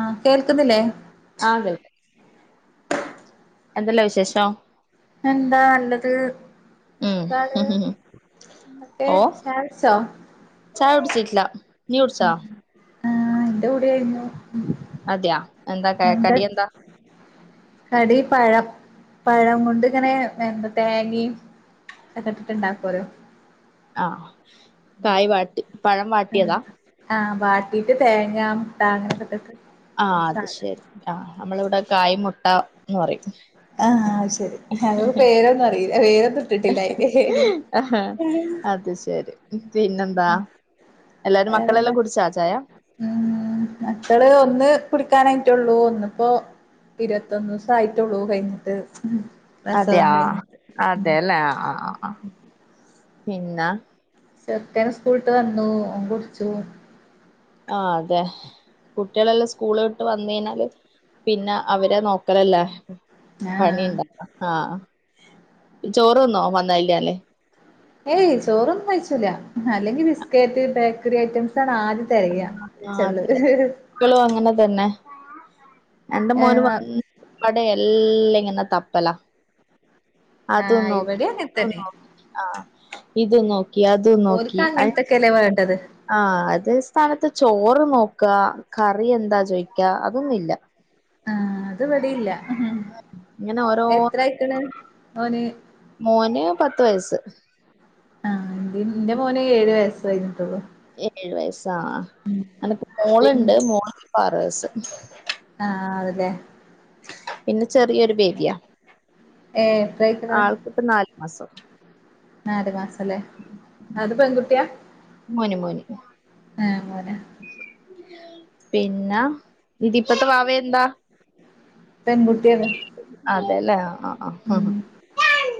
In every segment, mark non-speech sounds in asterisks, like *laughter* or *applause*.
ആ കേൾക്കുന്നില്ലേ എന്തല്ലാ വിശേഷം എന്താ നല്ലത് ഉം സുഖാണ് ഇന്നട്ട് ഓ ചായ കുടിച്ചോ ലാ നീ കുടിച്ചോ എവ്ടെ ആയിരുന്നു അതെയാ എന്താ കേ കടിയന്താ കടി പഴം പഴം കൊണ്ട് ങ്ങനെ എന്താ തേങ്ങിം തൊക്കെ ഇട്ടിട്ട് ഉണ്ടാക്കല്ലോ ആഹ് കായ് വാട്ടി പഴം വാട്ടിയതാ ആഹ് വാട്ടീട്ട് തേങ്ങ മുട്ട അങ്ങനൊക്കെ ഇട്ട്ട്ട് ആ അത് ശെരി ആ മ്മള് ഇവ്ടെ കായി മുട്ട ന്ന് പറിം ആഹ് ശരി ഞങ്ങക്ക് പേരൊന്നും അറിയില്ല പേരൊന്നും ഇട്ടിട്ടില്ലയിന് അത് ശരി പിന്നെന്താ എല്ലാരും വേറെന്താ മക്കളെല്ലാം കുടിച്ചാ ചായ മ്മ് മക്കള് ഒന്ന് കുടിക്കാനായിട്ടുള്ളൂ ഒന്ന്പ്പോ ഇരുപത്തൊന്ന് ദൂസായിട്ടുള്ളൂ കഴിഞ്ഞിട്ട് അതെ പ്രസവം യാ കഴിഞ്ഞിട്ട് ആ അതെല്ലേ ആ ആ പിന്നാ ചെറുക്കൻ സ്കൂളിട്ട് വന്നു ഓൻ കുടിച്ചു ആ അതെ കുട്ടിളെല്ലാം സ്കൂള് വിട്ട് വന്ന് കയിഞ്ഞാല് പിന്നെ അവരെ നോക്കലല്ലേ ആഹ് പണിണ്ടല്ലോ ഹാ ചോറ്ന്നോ വന്നല് ഞ്ഞാല് ഏയ് ചോറൊന്നും കഴിച്ചൂല അല്ലെങ്കി ബിസ്ക്കേറ്റ് ബേക്കറി ഐറ്റംസാണ് ആ ആഹ് അതെ *inaudible* ളും അങ്ങനെ തന്നെ രണ്ട് മോന് ഏഹ് വന്നാ പടയ എല്ല ഇങ്ങനെ തപ്പലാ അതും ആഹ് നോക്കി ഇവിടേം അങ്ങനെ ഇതും തന്നെ നോക്കി ആ ഇത് നോ ക്കി അത് ഓൽക്ക് നോക്കി അങ്ങനത്തൊക്കെല്ലേ വേണ്ടത് ആ അത് സ്ഥാനത്ത് ചോറ് നോക്കാ കറി എന്താ ചോയ്ക്കാ അതൊന്നു ഇല്ല ആ അത് ഇവടീല്ല ഇങ്ങനെ ഓരോ എത്രയിക്ക്ണ് ഓന് മോന് പത്ത് വയസ്. ആ ഇൻ്റിം ഇന്റെ മോന് ഏഴ് വയസ്സ് കഴിഞ്ഞിട്ടൊള്ളു. ഏഴ് വയസ്. ആ അനക്ക് മോള്ണ്ട് *unintelligible* പറേസ് ആ അതെ ലേ. പിന്നെ ചെറിയൊരു ബേബ്യാ ഏ എത്രായിക്ക്ണ്‌? മാസം നാല് മാസ് ല്ലെ, അത് പെൺകുട്ട്യാ? മോന് മോന്. ഏ മോനാ. പിന്നെ, ഇതിപ്പത്തെ വാവ എന്താ? പെൺകുട്ടിയാണ് അതെല്ലേ ആ ആ ഉം പിന്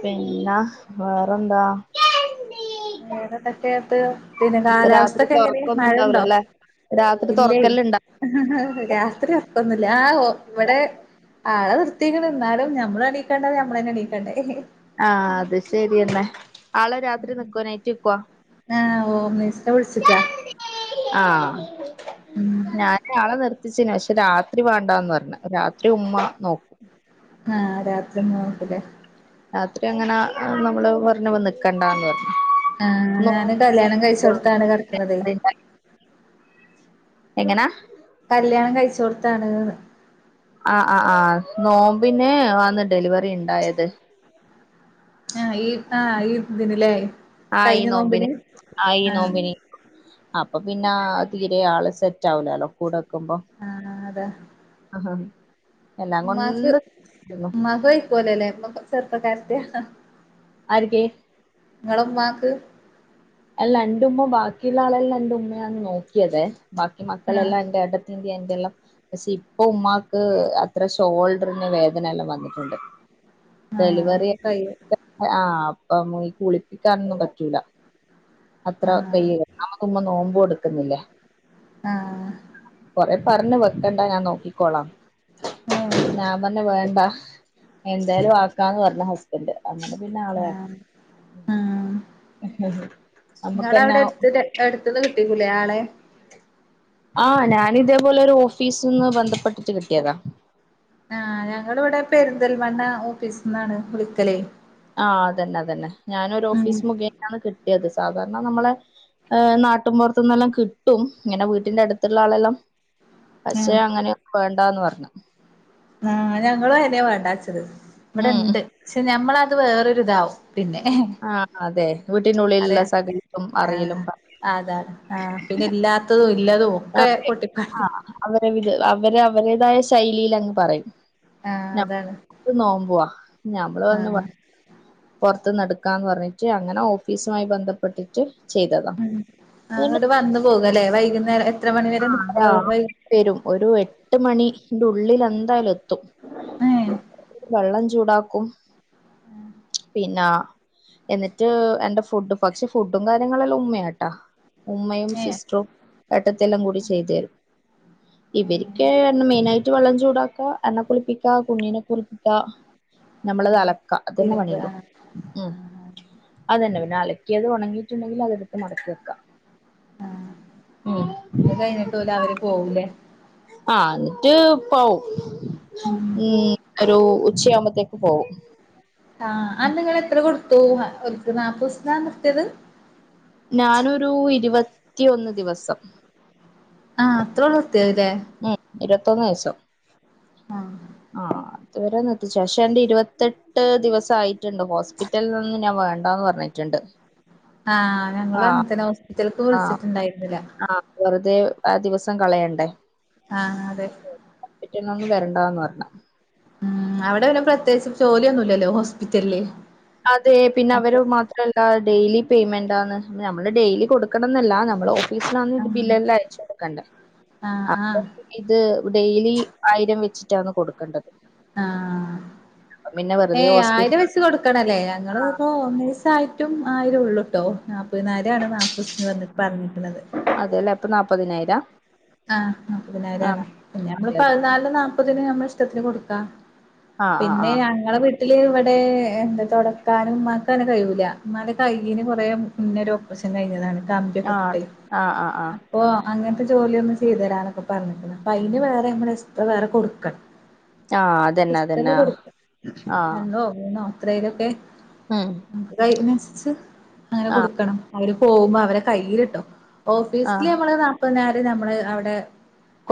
പിന്നാ വേറെ എന്താ വേറെ എന്തൊക്കെയാ അകത്ത് പിന്നെ ഇപ്പൊ കാലാവസ്ഥ രാത്രി ഒക്കെ എങ്ങനെ ആ തുറക്കൊന്നും മഴ ഉണ്ടോ ഉണ്ടാവൂലല്ലേ രാത്രി ഇല്ലേ തുറക്കല്ണ്ടാ രാത്രി ഒറക്കം ഒന്നും ഇല്ല ആ ഇവിടെ ആളെ നിർ ത്തിക്ക്ണ്‌ എന്നാലും നമ്മലിനിക്കേണ്ടത് നമ്മളുതന്നെ എണീക്കേണ്ടേ ആ അത് ശരി തന്നെ ആ ഹോംനെഴ്സനെ വിള്ച്ചക്ക ആഹ് ഞാന് ആളെ നിർ ത്തിച്ചിനെ പക്ഷെ രാത്രി വേണ്ടാന്ന് പറഞ്ഞ് രാത്രി ഉമ്മ നോക്കും ആ ഹ് രാ ഉമ്മ നോക്കും ഇല്ലേ രാത്രി അങ്ങനെ നമ്മള് പറഞ്ഞ് നിൽക്കേണ്ടാന്ന് പറഞ്ഞ് ആഹ് ഞാൻ കല്യാണം കഴിച്ച് കൊടുത്താണ് കിടക്കണത് എങ്ങനാ കല്യാണം കഴിച്ച് കൊടുത്താണ്ന്ന് ആഹ് ആഹ് ആഹ് നോമ്പിന് വന്നിട്ട് ഡെലിവറി- ഉണ്ടായത് ആഹ് ഈ ആഹ് ഈ ഇതിന് ആ ഈ കഴിഞ്ഞ നോമ്പിന് ആ ഈ ആഹ് നോമ്പിന് അപ്പൊ പിന്നാ തീരെ ആള് സെറ്റ് ആവൂലാലോ. കൂടെ ക്കുമ്പം ആഹ് *unintelligible* ഇമ്മാക്ക് രുന്നു. ഇമ്മാക്ക് വെയ്ക്കോലലേ ഉമ്മക്കെ ചെറുപ്പക്കാര *unintelligible* ആരൊക്കെ നിങ്ങള ഉമാക്ക് അല്ല രണ്ട് ഉമ്മാമ്മ ബാക്കിയുള്ള ആളെല്ലാം രണ്ട് ഉമ്മാണ് നോക്കിയതെ ബാക്കി ആഹ് മക്കളെല്ലാം എന്റെ എട്ടത്തി എന്റെല്ലാം പക്ഷെ ഇപ്പൊ ഉമ്മാക്ക് അത്ര ഷോൾഡറിന് വേദന എല്ലാം വന്നിട്ടുണ്ട് ആഹ് ഡെലിവറി അപ്പൊ കയ്യും ആ ആ കുളിപ്പിക്കാനൊന്നും പറ്റൂല അത്ര ആഹ് കൈയില്ല് നമുമ്മ നോമ്പ് എടുക്കുന്നില്ലേ ആഹ് കുറെ പറഞ്ഞ് വെക്കണ്ട ഞാൻ നോക്കിക്കോളാം ഏഹ് ഞാൻ പറഞ്ഞ് വേണ്ട എന്തായാലും വാക്കാന്ന് പറഞ്ഞ് ഹസ്ബൻഡ് അന്നിട്ട് പിന്നെ ആളെ ആഹ് നിങ്ങള നമ്മുക്കന്നെ അവിടെ എടുത്ത് എടുത്തിനകിട്ടി കും ആളെ ആ ഞാന് ഇതേപോലെ ഒരു ഓഫീസി നിന്ന് ബന്ധപ്പെട്ടിട്ട് കിട്ടിയതാ ആ ഞങ്ങളിവിടെ പെരുന്തൽമണ് ഓഫീസിന്നാണ് കുളിക്കലേ ആ അതന്നെ അതന്നെ ഞാനൊരു ഉം ഓഫീസ് മുഖേനാണ് കിട്ട യത് സാധാരണ നമ്മളെ ഏ് നാട്ടുംപ പുറത്തന്നെല്ലാം കിട്ടും ഇങ്ങനെ വീട്ടിന്റെ അടുത്തുള്ള ആളെല്ലാം പക്ഷേ ആഹ് അങ്ങനെ വേണ്ടാന്ന് പറഞ്ഞു *unintelligible* ആ ഞങ്ങള് അതെ വേണ്ടാന്നുവച്ചത് ഇവിടെ ഉം ഉണ്ട് ചെ ഞമ്മള അത് വേറൊരിതാവും പിന്നെങ്ങനെ ആഹ് അതെ വീട്ടിനുള്ളിലുള്ള അതെയ സകലതും ആ അറിയലും അതെ ആഹ് പിന്നെ ഇല്ലാത്തത് ആ അവ അവരെ അവരുതായ ശൈലിയില് അങ്ങ് പറയും ആഹ് അതാണ് ഞമ്മക്ക് നോമ്പുവാ ഞമ്മള് തന്നെ ആഹ് പറ പുറത്ത് നടക്കാന്ന് പറഞ്ഞിട്ട് അങ്ങനെ ഓഫീസുമായി ബന്ധപ്പെട്ടിട്ട് ചെയ്തതാ അതുകൊണ്ട് അത്കൊണ്ട് വന്ന് പോകാല്ലേ വൈകുന്നേ ന്നേര ആ അതാ വരും ഒരു എട്ട് മണിന്റെ ഉള്ളിൽ എന്തായാലും എത്തും ഏഹ് വെള്ളം ചൂടാ ക്കും പിന്നാ എന്നിട്ട് എന്റെ ഫുഡ് പക്ഷെ ഫുഡും കാര്യങ്ങളെല്ലാം ഉമ്മയാട്ടാ ഉമ്മയും ഏഹ് സിസ്റ്ററും അത്തെല്ലാം കൂടി ചെയ്തു തരും ഇവർക്ക് ഏഹ് എന്നെ മെയിന് ആയിട്ട് വെള്ളം ചൂടാക്ക എന്നെ കുളിപ്പിക്ക കുഞ്ഞീനെ കുളിപ്പിക്കാ നമ്മളത് ആഹ് അലക്ക അതന്നെ തിരുമ്പ പണിയുള്ളൂ ആഹ് ഉം ആഹ് അതന്നെ പണി ന്നെ അലക്കിയത് ഉണങ്ങിയിട്ടുണ്ടെങ്കിൽ അതെടുത്ത് മടക്കി വെക്ക ആഹ് അത് ഉം കഴിഞ്ഞിട്ട് പോല അവര് പോവൂലേ ആ എന്നിട്ട് പോവും ഉം ഒരു ഉച്ചയാകുമ്പത്തേക്ക് പോവും ആ അന്തെങ്ങെള് എത്ര കൊടു പോവും അവർക്ക് നാൽപ്പത് ദിവസ്തിന നിർത്തിയത് ഞാനൊരു ഇരുപത്തിയൊന്ന് ദിവസം ആ അത്രോള്ളൂ നിർത്തിയത് ല്ലേ ഉം ഇരുപത്തൊന്ന് ദിവസം ആഹ് ആഹ് അതുവരെ നിർത്തിച്ചു പക്ഷെ എന്റെ ഇരുവത്തെട്ട് ദിവസം ആയിട്ടുണ്ട് ഹോസ്പിറ്റൽ നിന്ന് ഞാൻ വേണ്ടാന്ന് പറഞ്ഞിട്ടുണ്ട് ആ ഞങ്ങള് ആഹ് അങ്ങനെ തന്നെ ഹോസ്പിറ്റൽക്ക് വിളിച്ചിട്ടുണ്ടായിരുന്നില്ല ദേ ആ ദിവസം കളയണ്ടേ ആ അതെ ട്ടന്ന് ഒന്നും വരണ്ടാന്ന് പറഞ്ഞ് ഉം അവിടെ പിന്നെ പ്രത്യേകിച്ച് ജോലി ഒന്നുവില്ലല്ലോ ഹോസ്പിറ്റല് അതെ പിന്നെ അവര് മാത്രല്ല ഡെയിലി പേയ്മെന്റാന്ന് നമ്മള് ഡെയിലി കൊടുക്കണം എന്നല്ല നമ്മള് ഒ ഫീസിലാണേൽ ആഹ് ബില്ലെല്ലാം അയച്ചു കൊടുക്കണ്ടേ ആഹ് അപ്പൊ ആഹ് പിന്നേ ഇത് ഡെയിലി ആയിരം വെച്ചിട്ടാണ് കൊടുക്കണ്ടത് ആ വെറുതെ ഏയ് ആയിരം ഹോസ്പിറ്റൽ വെച്ച് കൊടുക്ക ണല്ലേ ഞങ്ങള് ഇപ്പോ ഹോംനേഴ്സ് ആയി ട്ടും ആയിരുള്ളൂ ട്ടോ നാൽപ്പതിനായിരാണ് നാൽപ്പത് ദിവസന്ന് വന്നിട്ട് പറഞ്ഞ അതെല്ലേ അപ്പൊ നാ പ്പതിനായിരാ ആഹ് നാപ്പതിനായിരാണ് പിന്നെ നമ്മള് അതെ അതെ പതിനാലിനു നാപ്പത് തിന് നമ്മൾ ഇഷ്ടത്തിന് കൊടുക്കാം ആ ആ പിന്നെ ആ ഞങ്ങളെ വീട് ട്ടില് ഇവിടെ എന്താ തൊടക്കാനും ഉമ്മാക്ക് അങ്ങനെ കയൂല്ല ഉമ്മാന്റെ കയ്യിന് കുറെ മുന്നൊരു ഓപ്പറേഷൻ കഴിഞ്ഞതാണ് കമ്പിയൊക്കെ ആ ഇട്ടിട്ടെ ആ ആ ആ അപ്പൊ അങ്ങൻത്തെ ജോലിയൊന്ന് ചെയ്തരാനൊക്കെ പറഞ്ഞിക്ക്ണ് അപ്പ അയിന് വേറെ നമ്മള് എക്സ്ട്രാ വേറെ കൊടുക്കണം ആ അതന്നെ എസ്തറ അതന്നെ കൊടുക്കാ ആ രണ്ടോ മൂന്നോ എത്രയിലൊക്കെ ഉം *unintelligible* ച്ച് അങ്ങനെ ആ കൊടുക്കണം അവര് പോകുമ്പോ അവരെ കയ്യിലിട്ടോ ആ ഓഫീസില് നമ്മള് നാപ്പത്തിനായിരം ട്ട് നമ്മള് അവിടെ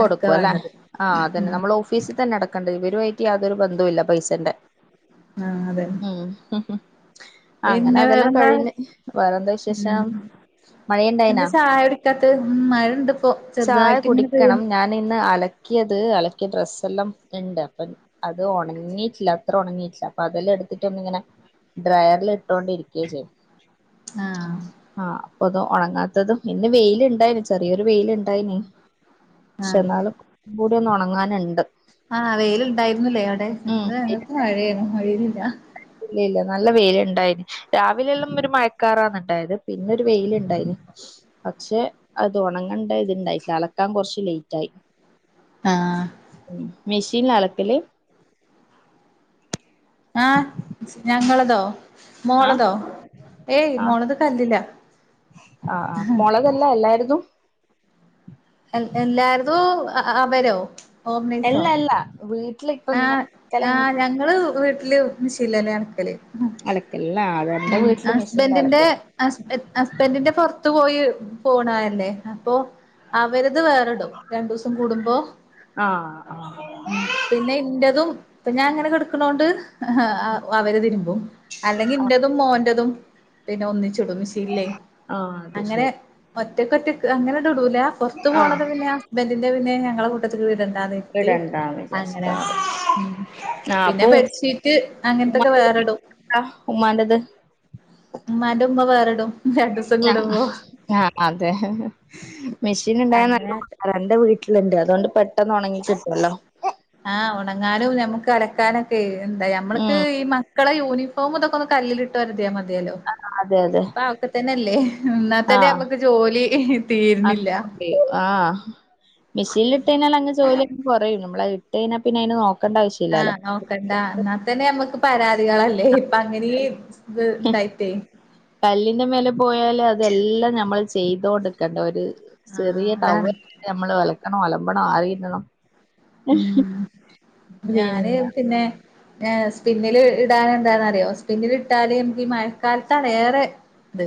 അടക്ക അല്ലേ വേണ്ടത് ആ അതന്നെ ഉം നമ്മള് ഓഫീസിതന്നെ അടക്കേണ്ടത് വരുവായി റ്റി യാതൊരു ബന്ധവും ഇല്ല പൈസെന്റെ ആഹ് അതന്നെ ഉം അങ്ങനെ പിന്നെ അതെല്ലാം വേറെന്താ കഴിഞ്ഞ് വേറെന്താ വിശേഷം ഉം എന്താ മഴയുണ്ടായിനാ ചായ കുടിക്കാത്തത് മഴ ഇണ്ട് ഇപ്പോ ചെറുതായിട്ട് ഇങ്ങനെ പെ ക്കണം ഞാൻ ഇന്ന് അലക്കിയത് അലക്കിയ ഡ്രസ്സ് തെല്ലാം ഇണ്ട് അപ്പം അത് ഉണങ്ങിയിട്ടില്ല അത്ര ഉണങ്ങിട്ടില്ല അപ്പൊ അതെല്ലാം എടുത്തിട്ട് ഒന്നിങ്ങനെ ഡ്രയറില് ഇട്ടൊണ്ടിരിക്കാചെയ്യുന്നത് ആഹ് ആ പ്പതും ഉണങ്ങാത്തതും ഇന്ന് വെയില് ഇണ്ടായിന് ചെറിയൊരു വെയില് ഇണ്ടായിന് ക്ഷെ എന്നാലും ബോഡ് ട്ടിഒന്നൊണങ്ങാന്ണ്ട് ആ വെയിൽ ഇണ്ടായിരുന്നല്ലേ അവിടെ ഉം ഇന്ന് ഞങ്ങക്ക് മഴയായിരുന്നു വെയിലില്ല ഇല്ല ഇല്ല നല്ല വെയിൽ ഇണ്ടായിന് രാവിലെ എല്ലാം ഒരു മഴക്കാറാന്ന്‌ ഇണ്ടായത് പിന്നെ ഒരു വെയിലിണ്ടായിന് പക്ഷെ അത് ഒണങ്ങണ്ട ഇത്ണ്ടാട്ടില്ല അലക്കാൻ കൊറച്ച് ലേയ്റ്റായി ആ മെഷീൻലാ അലക്കല് ആ ഞങ്ങളതോ ആ മോളതോ ഏയ് മോളത് കല്ലിലാ ആ ആ മൊളകല്ല എല്ലാര് തും എൽ എല്ലാരതൂ ആ ആ അവരോ എല്ല അല്ല വീ ആ ആ ഞങ്ങള് വീട്ട്ല് മിഷീന്ലന്നേ അനക്കല് അല ഉം ഹസ്ബെൻറിന്റെ ഹസ് ഹസ്ബെന്റിന്റെ പൊറത്ത് പോയി പോണ അല്ലേ അപ്പൊ അവരത് വേറെടും രണ്ടൂസം കൂടുമ്പോ, ആഹ് ആഹ് ആ പിന്നെ ഇന്റതും, പ്പ ഞാ ഇങ്ങനെ കെടക്കണോണ്ട് അവര് തിരുമ്പും. അല്ലെങ്കിന്റെ തും‌ മോൻ്റതും പിന്നെ ഒന്നിച്ച് ച്ചിടും മീശിനിലെ ആഹ് അത് അങ്ങനെ ശരി ഒറ്റക്കോറ്റക്ക് അങ്ങനെ ത്ടൂല ആഹ് പൊർത്ത്പോണത് പിന്നെ ഹസ്ബെന്റിന്റെ പിന്നെ ഞങ്ങളെ കൂട്ടത്തില് ഇടെ ട്ടാനിട്ട് ഇടണ്ടാന്ന് വിചാരിച്ചിട്ടാ അങ്ങനാട്ടും ഉം ആഹ് പിന്നെ അപ്പൊ ബെഡ്ഷീറ്റ് അങ്ങൻത്തൊക്കെ വേറെടും ഉമ്മാന്റത് ഉമ്മാന്റെ ഉമ്മ വേറെ ടും ആ ആ ആ അതെ മെഷീ നിണ്ടായ നല്ല *unintelligible* എന്റെ വീട്ടില് അതൊണ്ട് പെ ആ ഒണങ്ങാനും നമ്മു കലക്കാനൊക്കെ എന്താ നമ്മൾക്ക് ഉം ഈ മ ക്കളെ യൂണിഫോ മിതൊക്കൊന്ന് കല്ലിലിട്ട് ഒര്ത്യാമതി യെല്ലോ അതെ അതെ ഇപ്പൊ അതൊക്കെ തന്നെ *unintelligible* എന്നാ ത്തന്നെ ആഹ് അമ്മക്ക് ജോലി തീരിണില്ല മെഷേനിലിട്ട് കഴിഞ്ഞാൽ അങ്ങ് ജോലി അങ്ങ് കുറയും നമ്മളെ *unintelligible* ആ നോക്കണ്ടാ എന്നാ തന്നെ ഞമ്മക്ക് പരാതികളല്ലേ അങ്ങനെ ഇത് ഇണ്ടായിട്ടേ കല്ലിന്റെ മേലെ പോയാല് അതെല്ലാം ഞമ്മള് ചെയതോണ്ട്ക്കണ്ടെ ഒര് ചെറിയ ആഹ് അതാണ് ടൗവല് ന് വരെ നമ്മള് വെ കണം അലമ്പണം ആറിയിടണം ഉം പിന്ന ഏ സ്പിന്നില് ഇടാനെ എന്താന്നറിയോ സ്പിന്നിൽ ഇട്ടാല് ഞമക്ക് ഈ മഴക്കാലത്താണ് ഏറെ ഇത്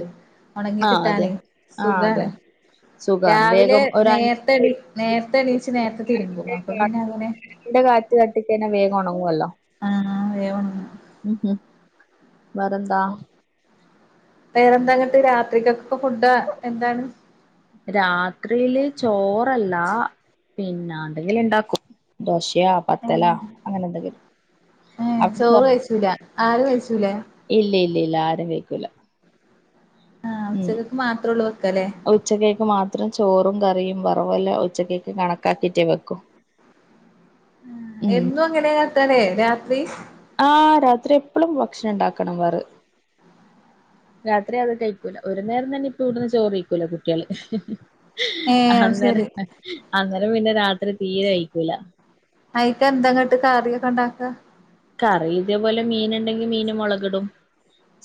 ഒണങ്ങി ആ അതെ കിട്ടാനേ ആ സുഖാണ് അതെ സുഖാണ് രാവിലെ വേഗം ഒരു അഞ്ച് നേര്ത്തെ ണി നേരത്തെ എണീ ച്ച് നേരത്തെ തിരുമ്പും പിന്നെ അങ്ങനെ ഫാനിന്റെ കാറ്റ് തട്ടി കഴിഞ്ഞാ വേഗം ഉണങ്ങുവല്ലോ വേ ഒൺ ഉം ഹും വെറെന്താ വേറെ എന്താ ഇങ്ങട്ട് രാത്രിക്ക് ഇപ്പൊ ഫുഡാ എന്താണ് രാത്രിയില് ചോറല്ല പിന്നെ എന്താങ്കിലും ഉണ്ടാക്കും ദോശ യാ പത്തലാ അങ്ങനെ എന്തെങ്കിലും ഏഹ് ചോറ് കഴിച്ചൂല ആരും കഴിച്ചൂലേ ഇല്ലില്ല ഇല്ല ആരും കഴിക്കൂല്ല ആഹ് ഉം ഉച്ചക്കക്ക് മാത്രള്ളൂ വെക്കല്ലേ ഉച്ചക്കേക്ക് മാത്രം ചോറും ക റിം വറവുമെല്ലാം ഉച്ചക്കെക്ക് കണക്കാക്കിട്ടേ വെക്കു എന്നും അങ്ങനെയാ തന്നെ രാത്രി ആ രാത്രി എപ്പളും ഭക്ഷണം ഉണ്ടാക്കണം വേറെ രാത്രി അത് കഴിക്കൂല്ല ഒരു നേരം തന്നെ ഇപ്പം ഇവിടുന്ന് ചോറ് കഴിക്കൂല്ല കുട്ടിയേള് ഏഹ് അത് അന്നേര ശരി അന്നര പിന്നെ രാത്രി തീരെ കഴിക്കൂല അയ്ക്ക് എന്താ ഇങ്ങട്ട് കറിയൊക്കെ ഉണ്ടാക്ക കറി ഇതേപോലെ മീന് ഉണ്ടെങ്കി മീന് മുളകിടും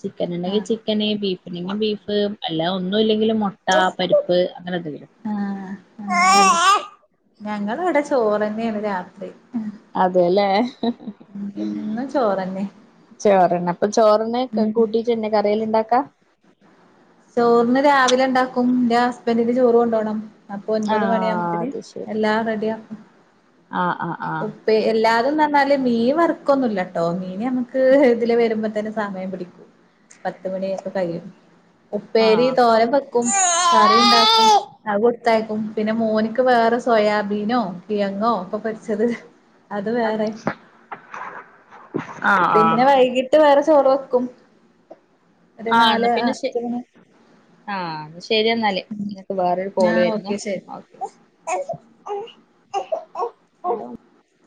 ചിക്കൻ ഇണ്ടെങ്കിൽ ആഹ് ചിക്കന് ബീ പിന്നെ ബീഫ് അല്ലാതെ ഒന്നും ഇല്ലെങ്കിലും മുട്ട പരിപ്പ് അങ്ങനെ എന്തെങ്കിലും ഞങ്ങള് ഇവടെ ചോറന്നെയാണ് രാത്രി അതേല്ലേ എന്നും ചോറന്നെ ചോറുണ്ണാ അപ്പൊ ചോറിന് ഉം കൂട്ടിട്ടന്നേ കറികള് ഇണ്ടാക്കാ ചോറിന് രാവിലെ ഇണ്ടാ ക്കും ഇന്റെ ഹസ്ബൻഡിന് ചോറ് കൊണ്ടോണം അപ്പൊ ആ ഒൻപത് മണിയാവുമ്പത്ത്ന് അത് ശരി എല്ലാം റെഡിയാ ആഹ് ആഹ് ഉപ്പേ എല്ലാ ഇത് ന്ന് പർണാല് മീൻ വറക്കൊന്നുല്ല ട്ടോ മീന് ഞമ്മക്ക് ഇത്‌ലെ വരുമ്പോ തന്നെ സമയം പിടിക്കും പത്ത് മണി ക ഒക്കെ കയ്യും ഉപ്പേരി ആഹ് തോരം വെക്കും കറി ഇണ്ടാക്കും അത് ത്തയിക്കും പിന്നെ മോൻക്ക് വേറെ സോയാബീനോ കിഴങ്ങോ ഒക്കെ പൊരിച്ചത് അത് വേറെ ആഹ് ആഹ് പിന്നെ ആഹ് വൈകിട്ട് വേറെ ചോറ് വെക്കും ഒര് നാല് ആ ആ ശരി എന്നാല് ഇതിലേക്ക് വേറൊരു കോൾ ആഹ് വെരുന്നു ഓക്കെ ശരി ഓക്കെ അ *inaudible*